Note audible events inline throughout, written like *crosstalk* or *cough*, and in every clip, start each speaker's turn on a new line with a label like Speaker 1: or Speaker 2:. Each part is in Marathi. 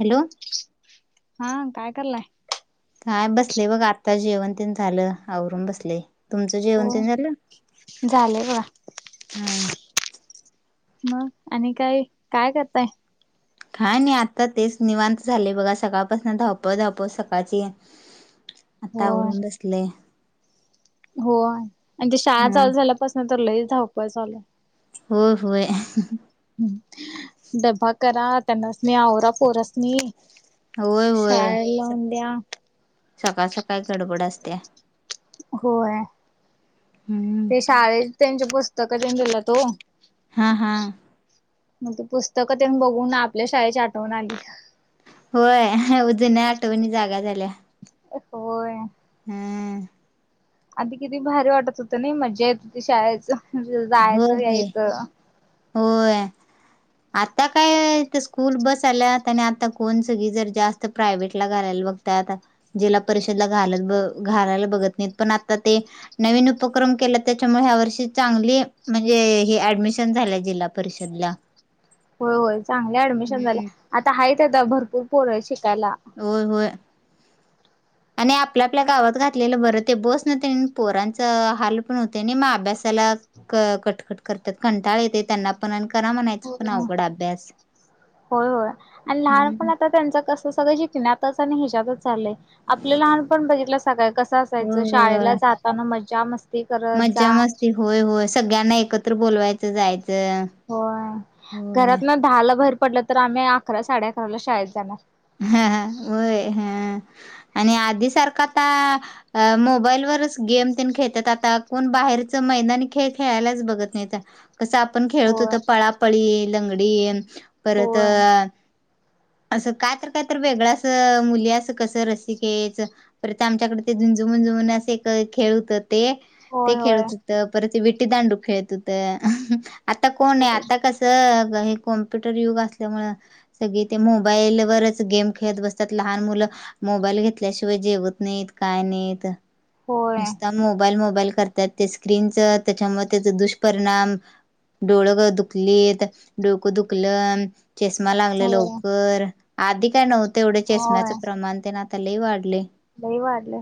Speaker 1: हॅलो.
Speaker 2: हा काय करलाय.
Speaker 1: काय बसले बघ आत्ता जेवण तेन झाल आवरून बसले. तुमच
Speaker 2: हो
Speaker 1: जेवण तेन् झाल
Speaker 2: झाले बघा.
Speaker 1: हा.
Speaker 2: मग आणि काय काय करताय.
Speaker 1: काय नाही आता तेच निवांत झाले बघा सकाळपासून धावपळ धावपळ सकाळची आतावररून बसले
Speaker 2: हो आणि ते शाळा
Speaker 1: हा
Speaker 2: चालू झाल्यापासन तर लई धावप चालय.
Speaker 1: होय होय.
Speaker 2: ह डबा करा त्यांनाच म आवरा पोरसनी
Speaker 1: होय होय सकाळ सकाळ गडबड असतेया
Speaker 2: होय
Speaker 1: हम्म
Speaker 2: ते शाळेत त्यांचे पुस्तक तेन दिलेत ओ
Speaker 1: हा हा
Speaker 2: मग ते पुस्तक तेन बघून आपल्या शाळेची आठवण आली
Speaker 1: होय अ जुन्या आठवणी जाग्या झाल्या
Speaker 2: होय
Speaker 1: हम्म्
Speaker 2: आधी किती भारी वाटत होत नाई मजा येत होती शाळेत जायच
Speaker 1: होय
Speaker 2: यायच
Speaker 1: होय होय
Speaker 2: *unintelligible*
Speaker 1: आता काय ते स्कूल बस आल्या आणि आता कोण सगळी जर जास्त प्रायव्हेट ला घालायला बघत आता जिल्हा परिषदला घालत ब घालायला बघत नाहीत पण आता ते नवीन उपक्रम केला त्याच्यामुळे ह्या वर्षी चांगली म्हणजे ही ऍडमिशन झाल्या जिल्हा परिषदला
Speaker 2: होय होय चांगले ऍडमिशन झाल्या
Speaker 1: हम्म.
Speaker 2: आता आहे तेथे भरपूर पोर आहे शिकायला
Speaker 1: होय होय
Speaker 2: *unintelligible*
Speaker 1: आणि आपल्या आपल्या गावात घातलेल बर ते बसन तेन् पोरांचा हाल पण होते आणि मग अभ्यासाला क कटकट करत्यात कंटाळ येते त्यांना पण आणि करा म्हणायच पण अवघड अभ्यास
Speaker 2: होय होय आणि लहानपण
Speaker 1: हम्म.
Speaker 2: आता त्यांच कस सगळ शिकण्यात आणि ह्याच्यातच चालय आपल लहानपण बघितलसा काय कस असायच
Speaker 1: होय
Speaker 2: शाळेला
Speaker 1: होय.
Speaker 2: जाताना मजा मस्ती करत जा
Speaker 1: मज्जा मस्ती होय होय सगळ्यांना एकत्र बोलवायच जायच
Speaker 2: होय घरातन् दहा ला बाहेर पडल तर आम्ही अकरा साडे अकराला शाळेत जाणार
Speaker 1: हा वय हा आणि आधी सारखा आता अ मोबाईल वरच गेम तेन खेळत्यात आता कोण बाहेरच मैदानी खेळ खेळायलाच बघत नाही तर कस आपण खेळत
Speaker 2: होय
Speaker 1: होतो पळापळी लंगडी परत
Speaker 2: होय
Speaker 1: अस काय तर काय तर वेगळ अस मुली अस कस रसिकेच पर ते आमच्याकडे ते झुंजुमंजु म्हणून असे एक खेळ होतात ते ते
Speaker 2: होय होय
Speaker 1: खेळत होत परत ते विट्टी दांडू खेळत होत आता कोण ये आता कस हे कॉम्प्युटर युग असल्यामुळ सगळी ते मोबाईल बरच गेम खेळत बसत्यात लहान मुल मोबाईल घेतल्याशिवाय जेवत नाहीत काय नाहीत
Speaker 2: होय
Speaker 1: नुसता मोबाईल मोबाईल करतात ते स्क्रीनच त्याच्यामुळे त्याचा दुष्परिणाम डोळग दुखलीत डोक दुखल चष्मा लागलेय
Speaker 2: होय होय
Speaker 1: लवकर आधी काय नव्हत एवढे चषम्याच प्रमाण ते न त्यालाही वाढले
Speaker 2: दही वाढलं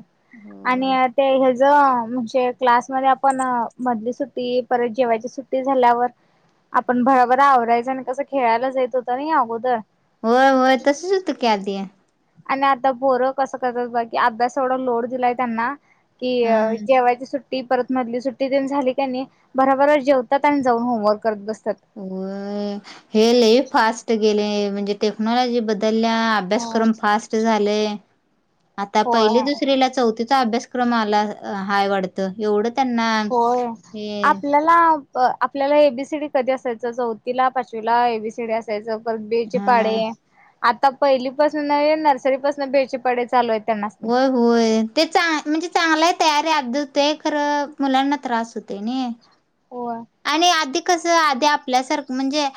Speaker 2: आणि
Speaker 1: हो
Speaker 2: ते ह ज म्हणजे क्लासमध्येध्ये आपण मधली सुट्टी परत जेवायची सुट्टी झाल्यावर आपण भराभरा आवरायचं आणि कसं खेळायला जा येत होतं ना या अगोदर
Speaker 1: होय होय तसच होतं की आधी
Speaker 2: आणि आता बोरं कसं करतात बा की अभ्यास एवढा लोड दिलाय त्यांना कि
Speaker 1: हा
Speaker 2: जेव्हा ते सुट सुट्टी परत मधली सुट्टी दे झाली का नाही बराबरच जेवतात आणि जाऊन होमवर्क करत बसतात
Speaker 1: अ हे ल फास्ट गेले म्हणजे टेक्नॉलॉजी बदलल्या
Speaker 2: हो
Speaker 1: अभ्यासक्रम फास् झाले आता पहि
Speaker 2: होय.
Speaker 1: दुसरीला चौथ अभ्यासक्रम मला हय वाढत एवढं त्यांना हे
Speaker 2: त्याला आपल्याला एबीसीडी कधी असायचं चौथीला पाचवीला एबीसीडी असायचं बेळचे पाडे
Speaker 1: हा
Speaker 2: आता पहिली पासून नर्सरी पासून बेळचे पाडे चालू आहेत त्यांनासनी.
Speaker 1: होय होय ते चांग म्हणजे चांगला तयारी अ होतेय खर मुलांना त्रास होतेय नाई
Speaker 2: होय
Speaker 1: आणि आधी कस आधी आपल्यासारख म्हणजे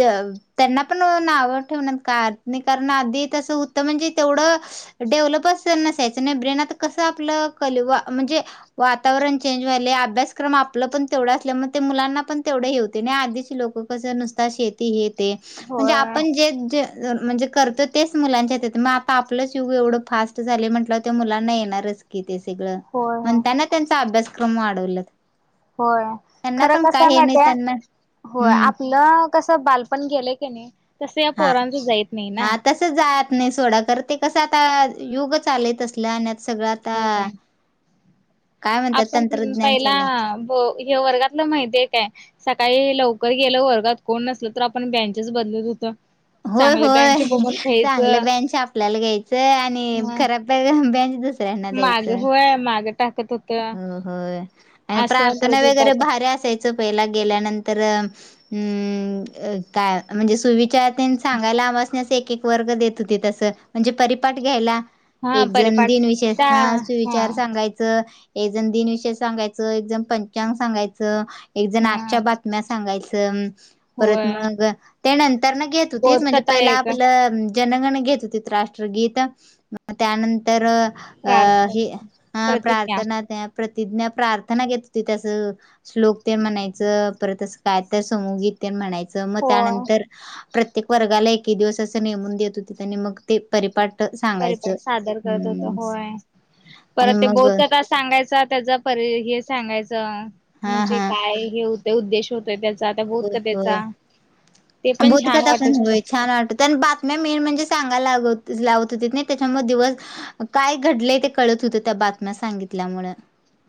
Speaker 1: त्यांना पण नावं ठेवण्यात का नाही कारण आधी तसं होतं म्हणजे तेवढं डेव्हलपच नसायचं नाही ब्रेनत कस आपलं कलवा म्हणजे वातावरण चेंज व्हाले अभ्यासक्रम आपला पण तेवढा असल्या मग ते मुलांना पण तेवढे हे होते नाही आधीची लोक नुस शे ते म्हणजे
Speaker 2: होय
Speaker 1: आपण जे म्हणजे करतो तेच मुलांच्या येत मग आता आपलंच युग एवढं फास्ट झा म्हटलं ते मुलांना येणारच की ते सगळं
Speaker 2: होय होय.
Speaker 1: म्हणताना त्यांचा अभ्यासक्रम वाढवल
Speaker 2: होय खरं कसं
Speaker 1: नाही
Speaker 2: मात्या
Speaker 1: त्यांना
Speaker 2: होय
Speaker 1: हम्म.
Speaker 2: आपलं कसं बालपण गेलंय की नाही तसं या
Speaker 1: हा
Speaker 2: पोरांचं जाईत नाही
Speaker 1: हा
Speaker 2: ना.
Speaker 1: त जात नाही सोडा कर ते कसं आता युग चालत असलं आणि आ सगळ्यात आ
Speaker 2: होय. आपण पहिला हे वर्गातलं मैद काय सकाळी लवकर गेलं वर्गात कोण नसल तर आपण बँचेच बदलत होत
Speaker 1: होय होय चांगलं बेंच आपल्याला घ्यायचं आणि
Speaker 2: ह
Speaker 1: खरा बेंचस
Speaker 2: माग होय माग टाकत होत
Speaker 1: हो हो आणि
Speaker 2: असं
Speaker 1: प्रार्थना
Speaker 2: करत होत
Speaker 1: वगैरे
Speaker 2: आपण
Speaker 1: भारी असायची म्हण सांगायलासस एक एक वर्ग देत होते तस म्हणजे परिपाठ घ्यायला
Speaker 2: हा
Speaker 1: एक जण
Speaker 2: परिपाठ
Speaker 1: दिनविषय
Speaker 2: त्या
Speaker 1: हा
Speaker 2: हा
Speaker 1: सुविचार सांगायचा एकजण दिनविषय सांगायचं एकजण पंचांग सांगायचं एक जण
Speaker 2: हा
Speaker 1: आजच्या बातम्या सांगायचं परत
Speaker 2: होय
Speaker 1: मग ते नंतर ना घेत होती म्हणजे
Speaker 2: बोधकथा
Speaker 1: पहिला
Speaker 2: एक
Speaker 1: आपलं जनगण घेत होती राष्ट्रगीत त्यानंतर अ
Speaker 2: प्रार्थ
Speaker 1: हे हं
Speaker 2: प्रतिज्ञा
Speaker 1: प्रार्थना त्या प्रतिज्ञा प्रार्थना घेत होती त्यासं श्लोकते म्हणायचं परत असं काय तर समूगीत त्या म्हणायचं मग
Speaker 2: होय
Speaker 1: त्यानंतर प्रत्येक वर्गाला एके दिवस अस नेमून देत होते त्यां मग ते परिपाठ सांगायचं.
Speaker 2: परिपाट सादर करत होत
Speaker 1: हम्म
Speaker 2: होय
Speaker 1: आणि
Speaker 2: परत ते
Speaker 1: मग
Speaker 2: बहत का का सांगायचा त्याचा पर हे सांगायचं
Speaker 1: हा
Speaker 2: म्हणजे
Speaker 1: हा
Speaker 2: काय हे होते उद्देश हो त्याचा त्या बौत
Speaker 1: होय होय
Speaker 2: कथेचा ते पण छान वाटत हो
Speaker 1: *inaudible* नाही मेन म्हणजे सांगा लागवत लावत होती नाही त्याच्यामुळे दिवस काय घडलंय ते कळत होतं त्या बातम्या सांगितल्यामु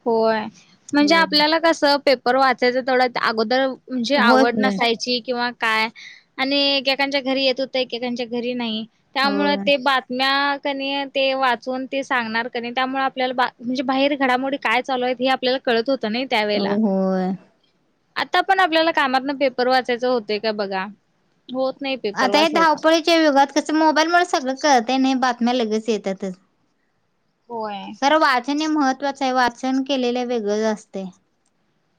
Speaker 2: होय म्हणजे आपल्याला कसं पेपर वाचायचं तेथोडं अगोदर म्हणजे
Speaker 1: होय
Speaker 2: आवड
Speaker 1: होय
Speaker 2: नसायची किंवा काय आणि एकेकांच्या घरी येत होतं एकेकांच्या घरी नाही त्यामु
Speaker 1: होय
Speaker 2: ते बातम्या क ते वाचून ते सांगणार क त्यामुळे आपल्याला बा म्हणजे बाहेर घडामोडी काय चालूय हे आपल्याला कळत होतं ना
Speaker 1: हो
Speaker 2: त्यावेेला
Speaker 1: होय
Speaker 2: आता पण आपल्याला कामात ना पेपर वाचायचं होत का बघा होत नाही पेपर वाचायचा
Speaker 1: च्या युगात कस मोबाईलमुळे सगळं कतय नाही बातम्या लगेच येतातच
Speaker 2: होय
Speaker 1: काररं वाचन हे महत्त्वाचं आहे वाचन केलेलं वेगळं असते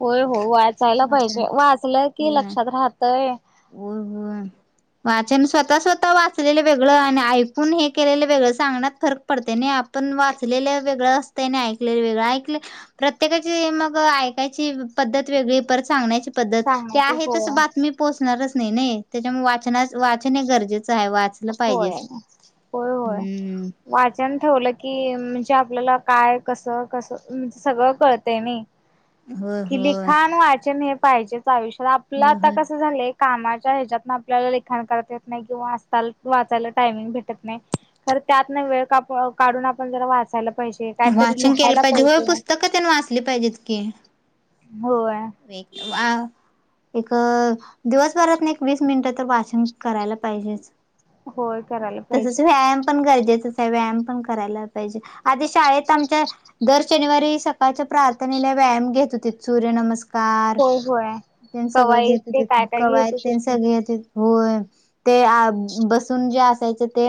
Speaker 2: होय हो वाचायला
Speaker 1: वाचन
Speaker 2: पाहिजे वाचलं की
Speaker 1: होय.
Speaker 2: लक्षात राहतय
Speaker 1: होय होय वाचन स्वतः स्वतः वाचलेले वेगळं आणि आऐफून हे केलेलं वेगळं सांगण्यात फर पडते नाही आपण वाचलेलं वेगळं असतं नाही ऐकलेले वेगळं ऐकले प्रत्येकाची मग ऐकायची पद्धत वेगळी परत सांगण्यायची पद् ते
Speaker 2: सांगण्याची
Speaker 1: आहे तस
Speaker 2: होय
Speaker 1: बातमी पोचणारच नाही नाही त्याच्यामुळे वाचना वाचन हे गरजेचं आहे वाच त
Speaker 2: होय
Speaker 1: पाहिजेच
Speaker 2: होय होय.
Speaker 1: हम्म
Speaker 2: वाचन ठेवलं की म्हणजे आपल्याला काय कसं कसं म्हणज सगळं कळतं नाही
Speaker 1: होय
Speaker 2: कि
Speaker 1: होय
Speaker 2: लिखाण वाचन हे पाहिजेच आयुष्यात आपलं
Speaker 1: होय
Speaker 2: आता
Speaker 1: होय.
Speaker 2: कसं झालंय कामाच्या ह्याच्यातन आपल्याला ललेखाण करत येत नाही किंवा असताल वाचायला टायमिंग भेटत नाही तरर त्यात नाही वेळ काप काढून आपण जरा वाचायला पाहिजे काहीतरी
Speaker 1: वाचन केलं
Speaker 2: लिहायला
Speaker 1: पाहिजे होय पुस्तकं त्यांनी वाचली पाहिजेत की
Speaker 2: होय
Speaker 1: व ह एक दिवसभरात नाही एक वीस मिनिटं तर वाचन करायला पाहिजेच
Speaker 2: होय करायला
Speaker 1: तसच
Speaker 2: पाहिजे
Speaker 1: व्यायाम पण गरजेच व्यामण करा आेत आ शनिवारी सकाळच्या प्रार्थनेला व्यायाम घेत होती सूर्य नमस्कार कार
Speaker 2: होय होय
Speaker 1: त्यां सगळं
Speaker 2: कवायत
Speaker 1: घेत
Speaker 2: ते काय काय घेत
Speaker 1: कवायत
Speaker 2: होतीस
Speaker 1: त्यां
Speaker 2: ते
Speaker 1: सगळे येत होय ते बसून जे असायचं ते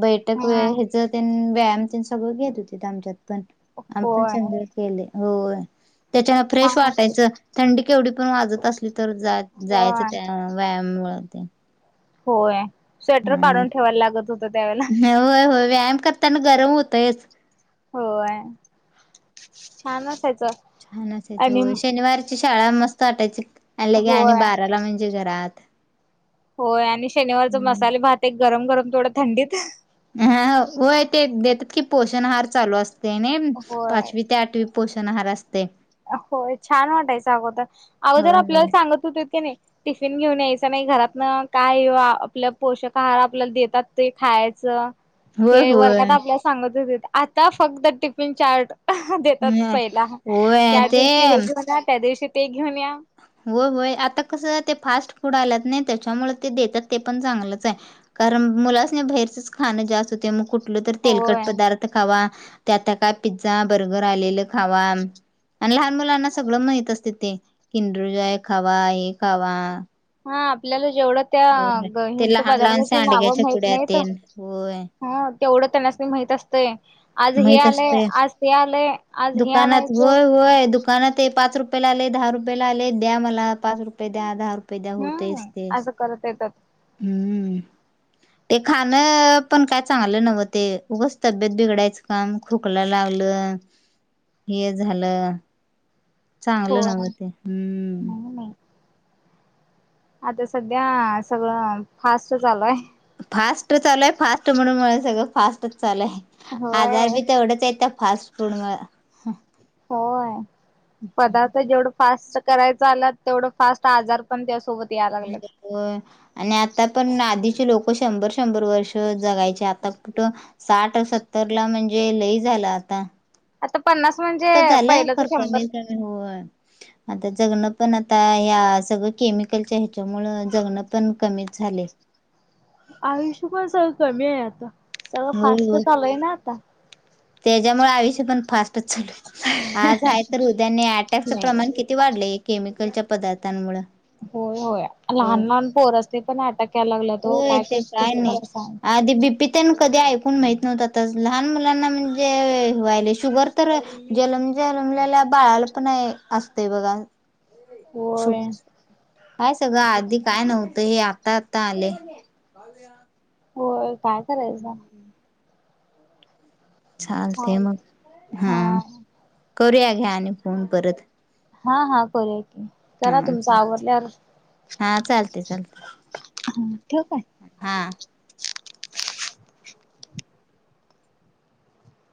Speaker 1: बैठक व
Speaker 2: हा
Speaker 1: हच व्यायाम त्यां सगळं घेत होते आमच्यात पण आम्ही पण
Speaker 2: होय
Speaker 1: सगळ केले हो त्याच्यान फ्रेश
Speaker 2: छान
Speaker 1: वाटायचं
Speaker 2: असायची.
Speaker 1: थंडी केवढी पण वाजत असली तर जायचं
Speaker 2: होय
Speaker 1: त्या व्यायाममुळेते
Speaker 2: होय स्वेटर काढून ठेवायला लागत होत त्यावेळेला
Speaker 1: हा होय होय व्यायाम करताना गरम होतयच
Speaker 2: होय छान असायच
Speaker 1: छान असय हो शनिवारची शाळा मस्त वाटायची आण ल के आणि
Speaker 2: होय
Speaker 1: बाराला म्हणजे घरात
Speaker 2: होय आणि शनिवारच
Speaker 1: हम्म
Speaker 2: मसाले भात एक गरम गरम थोडं थंडीत
Speaker 1: हा होय ते देतात की पोषणहार चालू असते ना
Speaker 2: होय.
Speaker 1: पाचवी ते आठवी पोषण आहार असते
Speaker 2: होय छान वाटायचं अगोदर अगोदर
Speaker 1: होय
Speaker 2: आपल्याला
Speaker 1: होय
Speaker 2: सांगत होते की नाही टिफिन घेऊन यायचं नाही घरात ना काय आपल्या पोषक आहार आपल्याला देतात ते खायचं
Speaker 1: होय
Speaker 2: हे
Speaker 1: होय
Speaker 2: वर्गात आपल्याला सांगत होते आता फक्त टिफिन चार्ट देतात
Speaker 1: नाय
Speaker 2: पहिला
Speaker 1: होय
Speaker 2: या
Speaker 1: ते
Speaker 2: दिवशी हे घेऊन या त्या दिवशी ते घेऊन या
Speaker 1: हो होय आता कसं ते फास्ट फूड आल्यात नाही त्याच्यामुळे ते देतात ते पण चांगलंच आहे कारण मुलाच नाही बाहेरच खाणं जास्त होते मग कुठ कलं तर तेलकट
Speaker 2: होय.
Speaker 1: पदार्थ खावा त्यात काय पिझ्झा बर्गर आलेलं खावा आणि लहान मुलांना सगळं माहित असते ते किंदरुजाय खावा हे खावा
Speaker 2: हा आपल्याला जेवढं त्या
Speaker 1: होय ते
Speaker 2: हिंच
Speaker 1: लहान लहान
Speaker 2: पदार्थाची नाव
Speaker 1: सांडग्याच्या
Speaker 2: माहत
Speaker 1: पुड्या
Speaker 2: नाहीत
Speaker 1: तेन होय
Speaker 2: ह तेवढं त्यांना मी माहित असत ते आज हे
Speaker 1: माहित
Speaker 2: आलेय
Speaker 1: असतय.
Speaker 2: आज ते आलेय आज हे आणायचं
Speaker 1: हो आहे दुः का ना ते पाच रुपयाेला आले दहा रुपयाेला आले द्या मला पाच रुपये द्या दहा रुपये द्या होतेच ते
Speaker 2: खरच येतात
Speaker 1: हम्म ते खाण पण काय चांगलं नव्हते उगच तब्येत बिघडायचं काम खोकला लागलं हे झालं चांगलं
Speaker 2: होय
Speaker 1: नव्हं ते हम्म
Speaker 2: नाही नाही आता सध्या सगळं फास्ट चालूय
Speaker 1: फास्ट चालूय फास्ट म्हणून सगळं फास्टच चालूय
Speaker 2: होय
Speaker 1: आजार बी तेवढंच येत फास्ट फूड
Speaker 2: होय पदार्थ जेवढं फास्ट करायचं आला तेवढं फास्ट आजार पण त्यासोबत यायला लागत
Speaker 1: हो आणि आता पण आधीचे लोक शंभर शंभर वर्ष जगायचे आता कुठं साठ सत्तर ला म्हणजे लई झालं आता
Speaker 2: आता पन्नास म्हणजे पहिलं तर शंभर
Speaker 1: हो. आता जगणं पण आता ह्या सगळ केमिकलच्या ह्याच्यामुळ जगण पण कमीच झाले.
Speaker 2: आयुष्य पण सगळं कमी आहे आता सगळं
Speaker 1: होय
Speaker 2: फास्ट
Speaker 1: होय
Speaker 2: चालूय ना आता
Speaker 1: त्याच्यामुळे आयुष्य पण फास्टच चालू आहे. आज आहे तर उद्या नाहीये अटॅकचं
Speaker 2: नाही
Speaker 1: प्रमाण किती वाढलंय केमिकलच्या पदार्थांमुळे
Speaker 2: होय होय
Speaker 1: होय
Speaker 2: लहान लहान पोर ते पण अटॅक यायला लागला तो काय का कस त्याला सांग.
Speaker 1: बी पी त्यांना कधी ऐकून माहीत नव्हतातच लहान मुलांना म्हणजे व्हायले शुगर तर जन्म जन्मलेल्या बाळाला पण आहे असते बघा.
Speaker 2: होय
Speaker 1: शुगर काय सगळं आधी काय नव्हतं हे आता आता आले. काद्या *unintelligible*
Speaker 2: हो काय करायचं?
Speaker 1: चाल
Speaker 2: हा
Speaker 1: ते मग हा करूया घ्या आणि फोन परत
Speaker 2: हा हा करूया की करा
Speaker 1: हा
Speaker 2: तुमच
Speaker 1: चाल
Speaker 2: आवडल्यावर
Speaker 1: हा चालते चालते.
Speaker 2: हा ठेऊ काय?
Speaker 1: हा.